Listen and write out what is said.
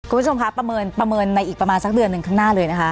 คุณผู้ชมคะประเมินในอีกประมาณสักเดือนหนึ่งข้างหน้าเลยนะคะ